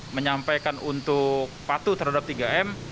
menyampaikan untuk patuh terhadap tiga m